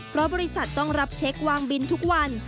เพราะบริษัทต้องรับเช็ควางบินทุกวัน